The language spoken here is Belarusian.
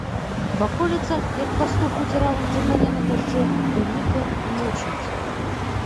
Ваколіца, як пастух у дзіравым жупане на дажджы, прынікла і маўчыць.